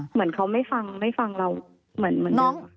เหมือนเขาไม่ฟังไม่ฟังเราเหมือนน้อง